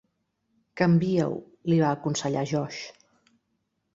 "Canvia-ho" li va aconsellar Josh.